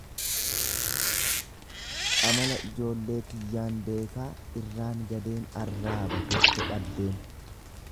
Amala ijoollee tiyyaan beekaa irraan gadeen arraaba jette dhaddeen.